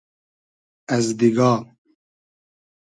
از دیگا